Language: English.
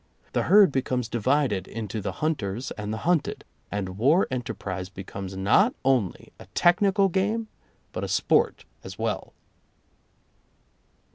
The herd becomes divided into the hunters and the hunted, and war enterprise becomes not only a technical game but a sport as well.